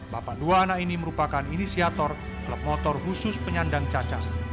bapak dua anak ini merupakan inisiator klub motor khusus penyandang cacat